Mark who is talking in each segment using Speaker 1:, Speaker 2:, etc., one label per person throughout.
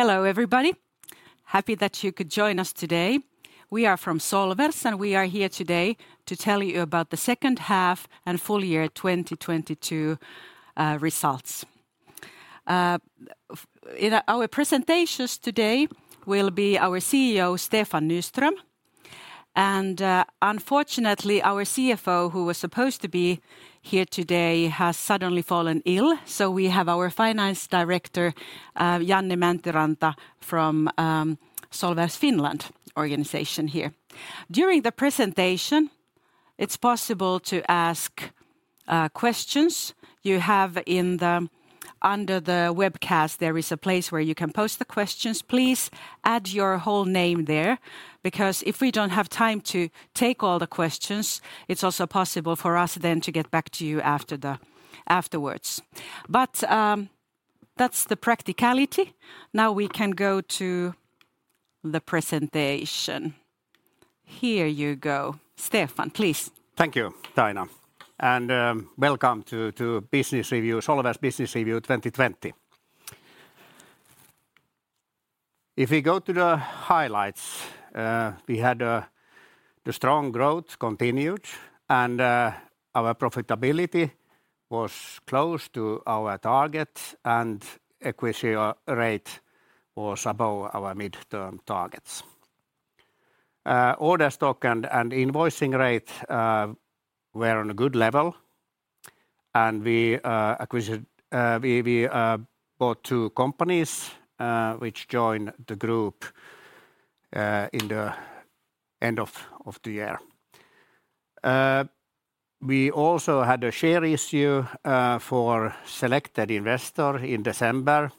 Speaker 1: Hello everybody. Happy that you could join today. We are from Solwers, and we are here today to tell you about the second half and full 2022 results. In our presentations today will be our CEO Stefan Nyström and, unfortunately, our CFO who was supposed to be here today has suddenly fallen ill, so we have our Finance Director Janne Mäntyranta from Solwers Finland organization here. During the presentation, it's possible to ask questions you have. Under the webcast, there is a place where you can post the questions. Please add your whole name there, because if we don't have time to take all the questions, it's also possible for us then to get back to you afterwards. That's the practicality. Now we can go to the presentation. Here you go. Stefan, please.
Speaker 2: Thank you, Taina, and welcome to business review, Solwers business review 2020. If we go to the highlights, we had the strong growth continued and our profitability was close to our target and equity rate was above our midterm targets. Order stock and invoicing rate were on a good level, and we acquired, we bought two companies which joined the group in the end of the year. We also had a share issue for selected investor in December,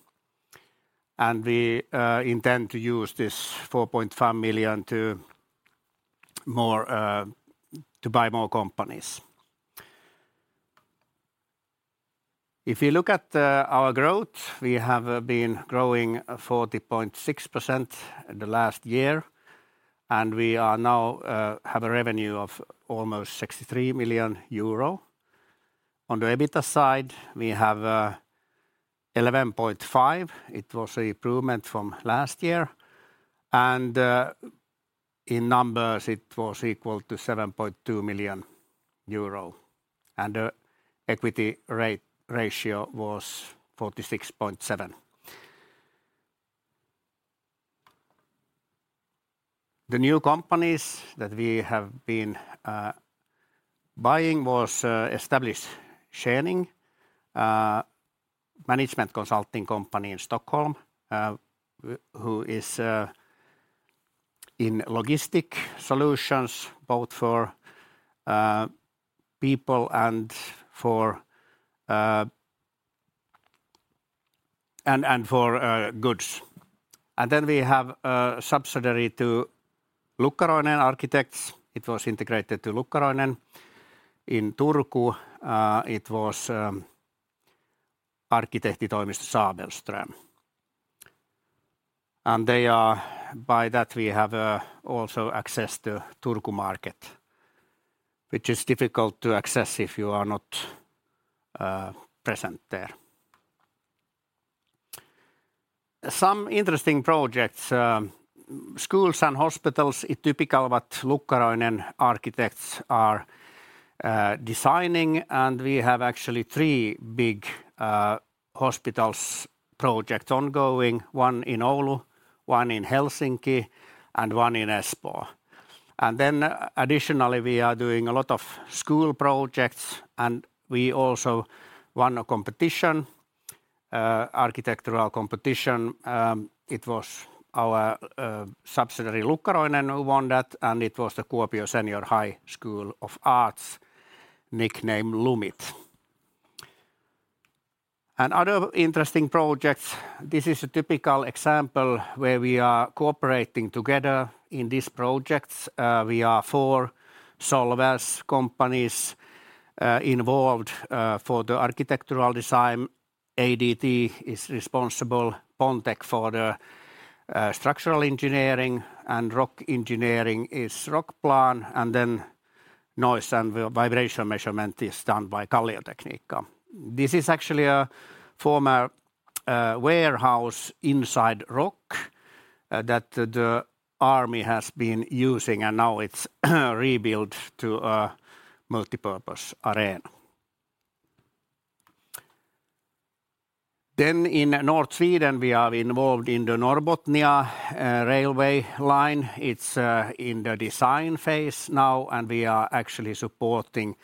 Speaker 2: and we intend to use this 4.5 million to more to buy more companies. If you look at our growth, we have been growing 40.6% the last year, and we are now have a revenue of almost 63 million euro. On the EBITDA side, we have 11.5%. It was improvement from last year and in numbers, it was equal to 7.2 million euro, and the equity ratio was 46.7%. The new companies that we have been buying was Establish Schening, management consulting company in Stockholm, who is in logistic solutions both for people and for goods. We have a subsidiary to Lukkaroinen Architects. It was integrated to Lukkaroinen in Turku. Arkkitehtitoimisto Sabelström. By that, we have also access to Turku market, which is difficult to access if you are not present there. Some interesting projects, schools and hospitals is typical what Lukkaroinen Architects are designing, and we have actually 3 big hospitals projects ongoing, 1 in Oulu, 1 in Helsinki, and 1 in Espoo. Additionally, we are doing a lot of school projects, and we also won a competition, architectural competition. It was our subsidiary Lukkaroinen who won that, and it was the Kuopio Senior High School of Arts, nickname LUMIT. Other interesting projects, this is a typical example where we are cooperating together in these projects. We are 4 Solwers companies involved. For the architectural design, ADT is responsible, Pontec for the structural engineering, and rock engineering is Rockplan, and then noise and vibration measurement is done by Kalliotekniikka. This is actually a former warehouse inside rock that the army has been using, and now it's rebuilt to a multipurpose arena. In North Sweden, we are involved in the Norrbotnia railway line. It's in the design phase now, and we are actually supporting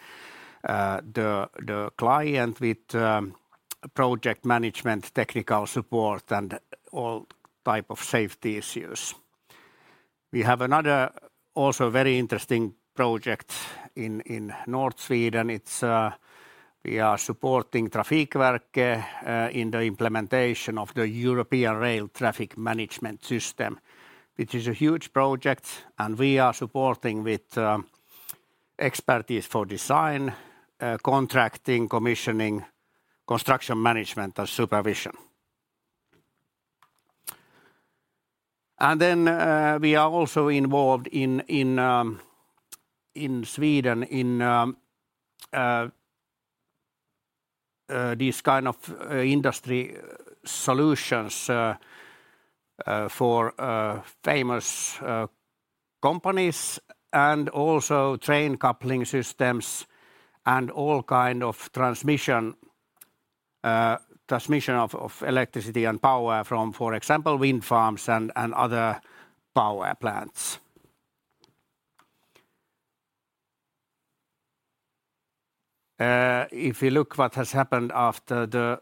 Speaker 2: the client with project management, technical support, and all type of safety issues. We have another also very interesting project in North Sweden. It's we are supporting Trafikverket in the implementation of the European Rail Traffic Management System, which is a huge project and we are supporting with expertise for design, contracting, commissioning, construction management, and supervision. We are also involved in Sweden in these kind of industry solutions for famous companies and also train coupling systems and all kind of transmission of electricity and power from, for example, wind farms and other power plants. If you look what has happened after the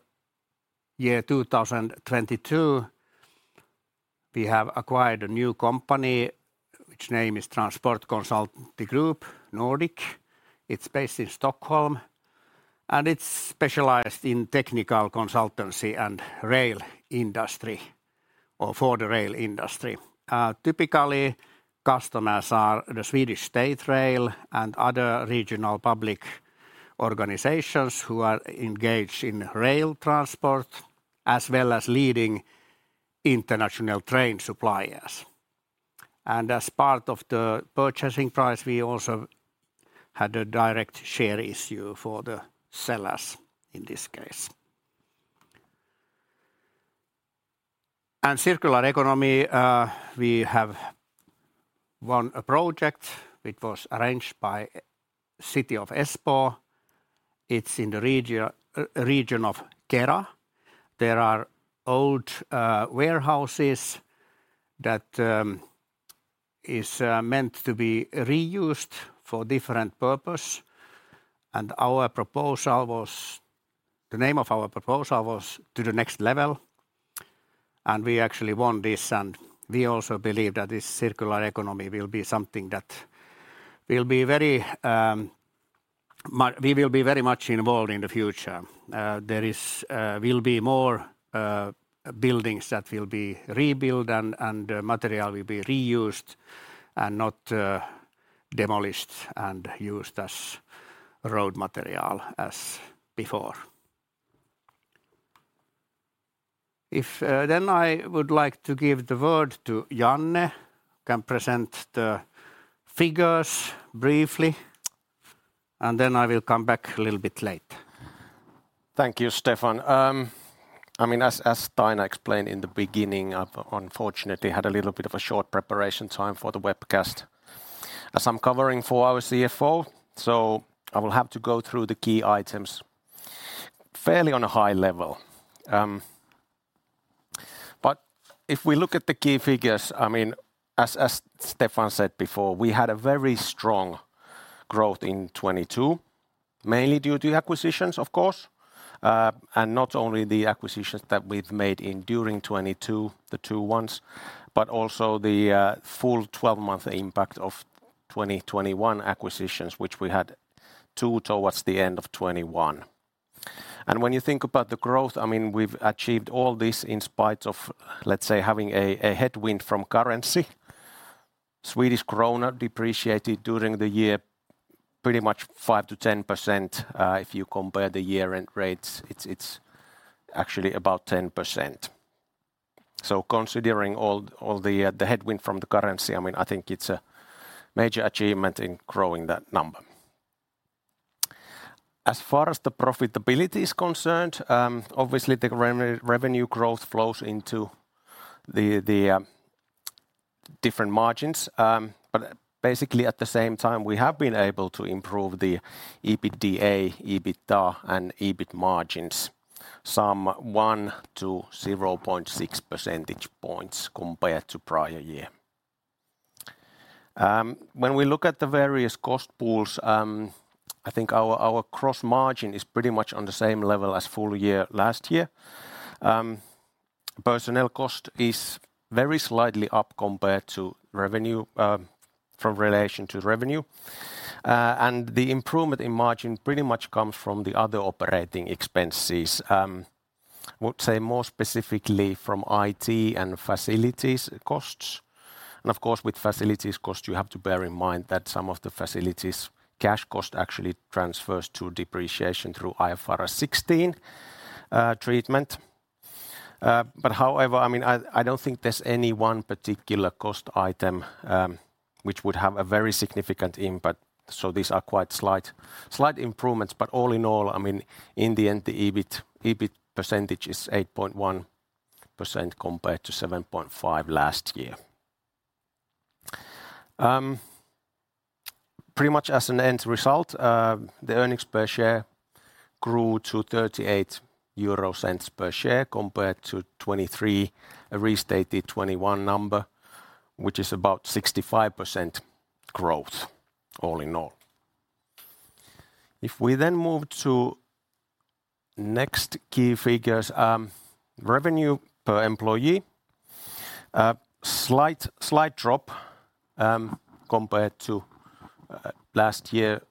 Speaker 2: year 2022, we have acquired a new company which name is Transport Consultancy Group Nordic. It is based in Stockholm, and it is specialized in technical consultancy and rail industry or for the rail industry. Typically customers are the Swedish State Railways and other regional public organizations who are engaged in rail transport, as well as leading international train suppliers. As part of the purchasing price, we also had a direct share issue for the sellers in this case. Circular economy, we have won a project which was arranged by City of Espoo. It's in the region of Kera. There are old warehouses that is meant to be reused for different purpose. Our proposal was. The name of our proposal was To the Next Level, and we actually won this. We also believe that this circular economy will be something that will be very, we will be very much involved in the future. There is will be more buildings that will be rebuilt and material will be reused and not demolished and used as road material as before. If, then I would like to give the word to Janne, can present the figures briefly, and then I will come back a little bit late.
Speaker 3: Thank you, Stefan. I mean, as Taina explained in the beginning, I've unfortunately had a little bit of a short preparation time for the webcast as I'm covering for our CFO. I will have to go through the key items fairly on a high level. I mean, as Stefan said before, we had a very strong growth in 2022, mainly due to acquisitions of course, and not only the acquisitions that we've made in during 2022, the two ones, but also the 12-month impact of 2021 acquisitions, which we had two towards the end of 2021. When you think about the growth, I mean, we've achieved all this in spite of, let's say, having a headwind from currency. Swedish krona depreciated during the year pretty much 5%-10%. If you compare the year-end rates, it's actually about 10%. Considering all the headwind from the currency, I mean, I think it's a major achievement in growing that number. As far as the profitability is concerned, obviously the revenue growth flows into the different margins. Basically at the same time, we have been able to improve the EBITDA and EBIT margins, some 1 to 0.6 percentage points compared to prior year. When we look at the various cost pools, I think our gross margin is pretty much on the same level as full year last year. Personnel cost is very slightly up compared to revenue, from relation to revenue. The improvement in margin pretty much comes from the other operating expenses. I would say more specifically from IT and facilities costs. Of course, with facilities cost, you have to bear in mind that some of the facilities' cash cost actually transfers to depreciation through IFRS 16 treatment. However, I mean, I don't think there's any one particular cost item which would have a very significant impact. These are quite slight improvements. All in all, I mean, in the end, the EBIT percentage is 8.1% compared to 7.5% last year. Pretty much as an end result, the earnings per share grew to 0.38 per share compared to 0.23, a restated 2021 number, which is about 65% growth all in all. If we then move to next key figures, revenue per employee, a slight drop, compared to last year.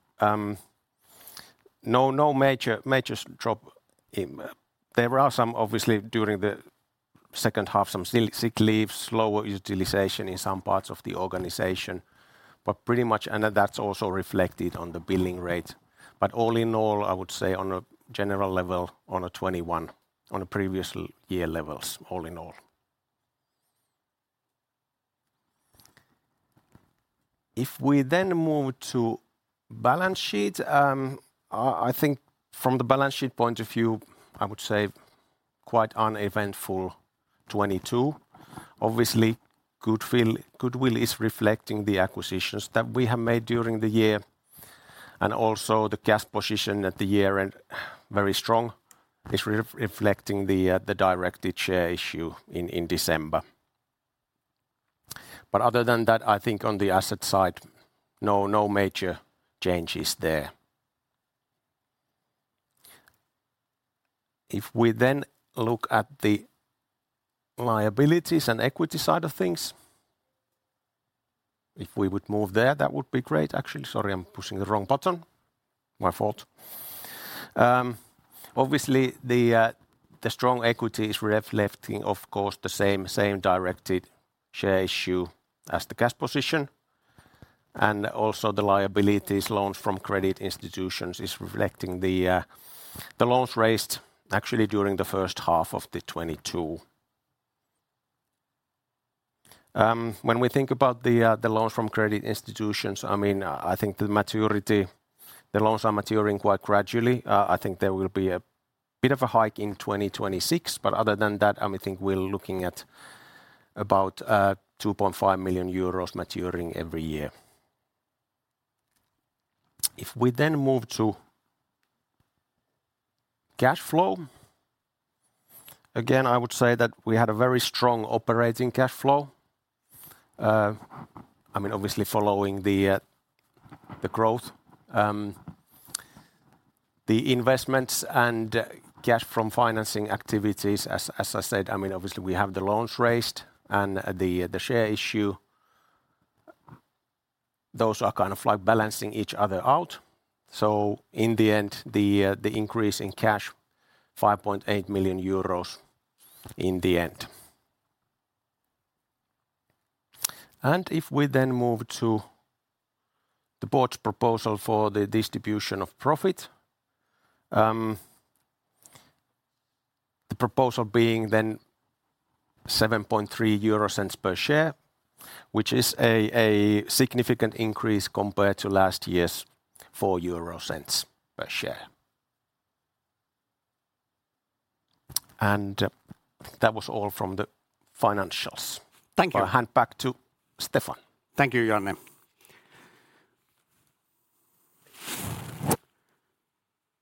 Speaker 3: No major drop in. There are some obviously during the second half, some sick leaves, lower utilization in some parts of the organization, but pretty much. That's also reflected on the billing rate. All in all, I would say on a general level, on a 2021, on a previous year levels, all in all. If we then move to balance sheet, I think from the balance sheet point of view, I would say quite uneventful 2022. Obviously, goodwill is reflecting the acquisitions that we have made during the year, and also the cash position at the year end very strong. It's reflecting the directed share issue in December. Other than that, I think on the asset side, no major changes there. We look at the liabilities and equity side of things. We would move there, that would be great. Actually, sorry, I'm pushing the wrong button. My fault. Obviously the strong equity is reflecting of course the same directed share issue as the cash position. Also the liabilities loans from credit institutions is reflecting the loans raised actually during the first half of 2022. When we think about the loans from credit institutions, I mean, I think the maturity. The loans are maturing quite gradually. I think there will be a bit of a hike in 2026. Other than that, I think we're looking at about 2.5 million euros maturing every year. We then move to cash flow, again, I would say that we had a very strong operating cash flow. I mean, obviously following the growth. The investments and cash from financing activities, as I said, I mean, obviously we have the loans raised and the share issue. Those are kind of like balancing each other out. In the end, the increase in cash, 5.8 million euros in the end. If we then move to the board's proposal for the distribution of profit, the proposal being then 0.073 per share, which is a significant increase compared to last year's 0.04 per share. That was all from the financials.
Speaker 2: Thank you.
Speaker 3: I'll hand back to Stefan.
Speaker 2: Thank you, Janne.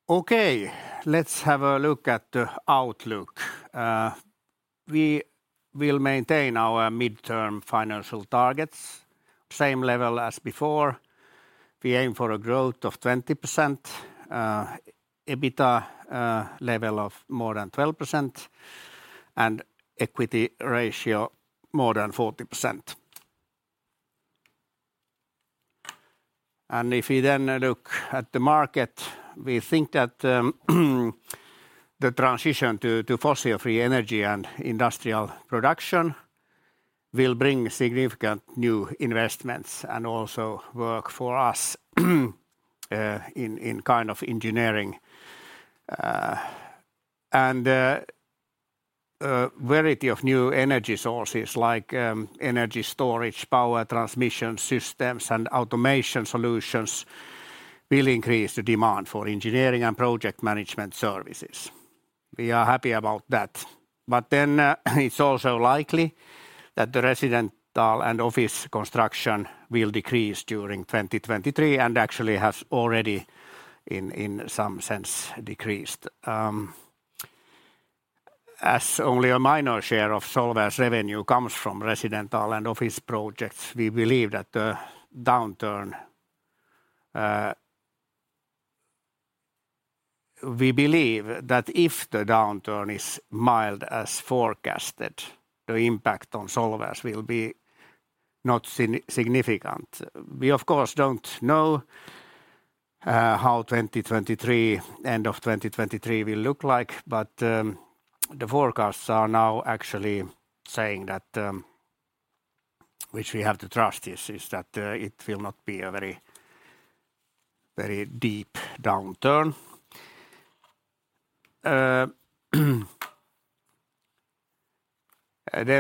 Speaker 2: Okay, let's have a look at the outlook. We will maintain our midterm financial targets. Same level as before. We aim for a growth of 20%, EBITDA level of more than 12%, and equity ratio more than 40%. If you then look at the market, we think that the transition to fossil-free energy and industrial production will bring significant new investments and also work for us in kind of engineering. A variety of new energy sources like energy storage, power transmission systems, and automation solutions will increase the demand for engineering and project management services. We are happy about that. It's also likely that the residential and office construction will decrease during 2023, and actually has already in some sense decreased. As only a minor share of Solwers' revenue comes from residential and office projects, we believe that if the downturn is mild as forecasted, the impact on Solwers will be not significant. We of course don't know how 2023, end of 2023 will look like, the forecasts are now actually saying that, which we have to trust is that it will not be a very, very deep downturn.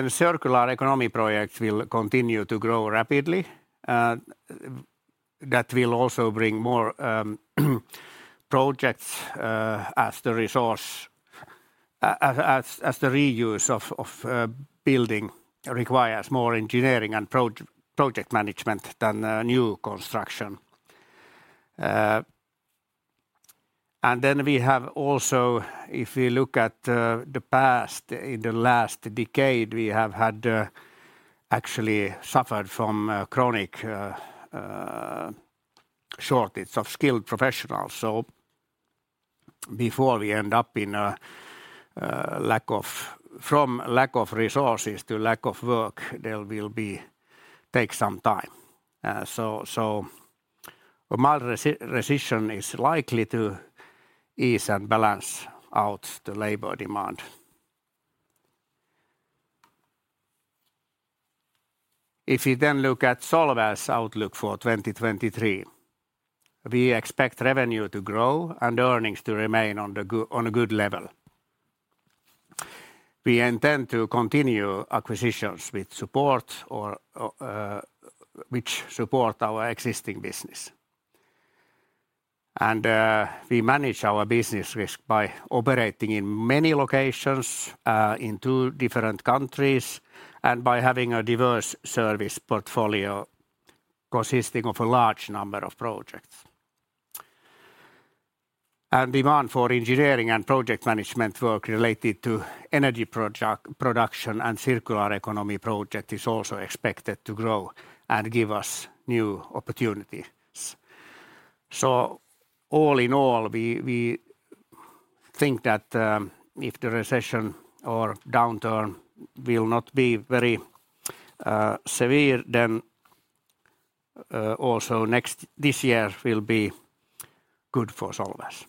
Speaker 2: Circular economy projects will continue to grow rapidly. That will also bring more projects, as the reuse of building requires more engineering and project management than new construction. We have also, if we look at the past, in the last decade, we have had actually suffered from a chronic shortage of skilled professionals. Before we end up in a lack of resources to lack of work, there will take some time. A mild recession is likely to ease and balance out the labor demand. If you then look at Solwers' outlook for 2023, we expect revenue to grow and earnings to remain on a good level. We intend to continue acquisitions with support or which support our existing business. We manage our business risk by operating in many locations, in two different countries, and by having a diverse service portfolio consisting of a large number of projects. Demand for engineering and project management work related to energy production and circular economy project is also expected to grow and give us new opportunities. All in all, we think that if the recession or downturn will not be very severe, then also this year will be good for Solwers.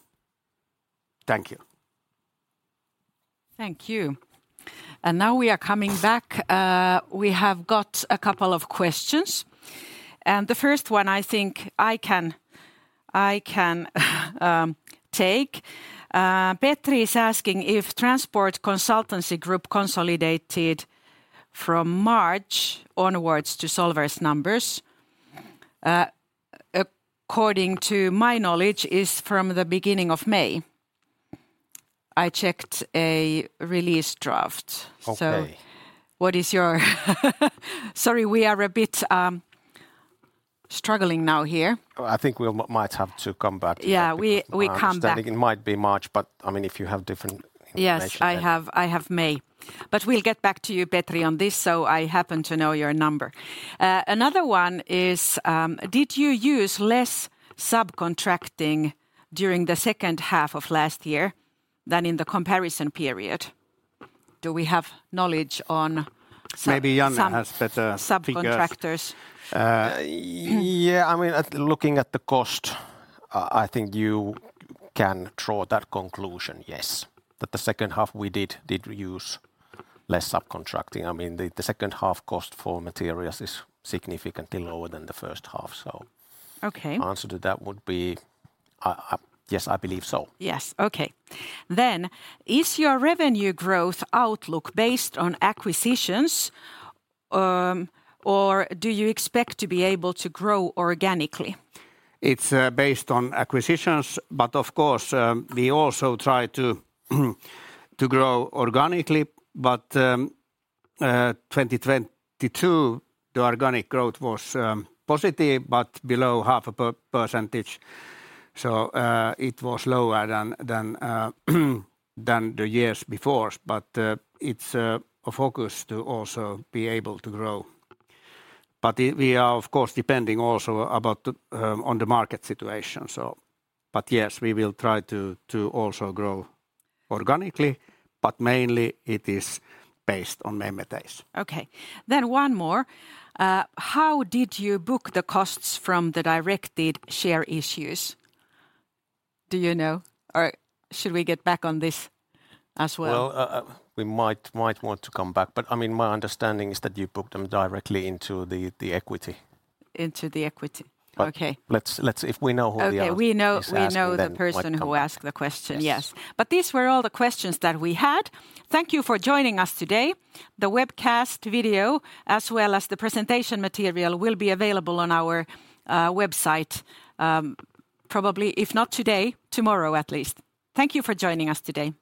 Speaker 2: Thank you.
Speaker 1: Thank you. Now we are coming back. We have got a couple of questions, the first one I think I can take. Petri is asking if Transport Consultancy Group consolidated from March onwards to Solwers' numbers. According to my knowledge, it's from the beginning of May. I checked a release draft.
Speaker 2: Okay.
Speaker 1: Sorry, we are a bit, struggling now here.
Speaker 2: Oh, I think we'll might have to come back to that.
Speaker 1: Yeah, we come back.
Speaker 2: Because my understanding, it might be March, but, I mean, if you have different information, then-
Speaker 1: Yes, I have May. We'll get back to you, Petri, on this. I happen to know your number. Another one is, did you use less subcontracting during the second half of last year than in the comparison period?
Speaker 2: Maybe Janne has better figures.
Speaker 1: Subcontractors?
Speaker 2: Yeah. I mean, at looking at the cost, I think you can draw that conclusion, yes. That the second half we did use less subcontracting. I mean, the second half cost for materials is significantly lower than the first half.
Speaker 1: Okay
Speaker 2: Answer to that would be, yes, I believe so.
Speaker 1: Yes, okay. Is your revenue growth outlook based on acquisitions, or do you expect to be able to grow organically?
Speaker 2: It's based on acquisitions, but of course, we also try to grow organically. 2022, the organic growth was positive, but below half a percentage, it was lower than the years before. It's a focus to also be able to grow. We are of course depending also about on the market situation. Yes, we will try to also grow organically, but mainly it is based on M&As.
Speaker 1: Okay. one more. how did you book the costs from the directed share issues? Do you know, or should we get back on this as well?
Speaker 2: Well, we might want to come back, but I mean, my understanding is that you book them directly into the equity.
Speaker 1: Into the equity.
Speaker 2: But-
Speaker 1: Okay
Speaker 2: Let's if we know who they are.
Speaker 1: Okay.
Speaker 2: who's asking.
Speaker 1: We know the person-.
Speaker 2: Might come back.
Speaker 1: Who asked the question.
Speaker 2: Yes.
Speaker 1: Yes. These were all the questions that we had. Thank you for joining us today. The webcast video as well as the presentation material will be available on our website, probably if not today, tomorrow at least. Thank you for joining us today.